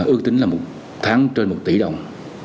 ước tính là một tháng trên một tỷ đồng